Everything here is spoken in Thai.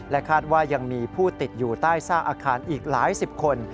และคาดว่ายังมีผู้ติดอยู่ใต้สร้างอาคารอีกหลาย๑๐คน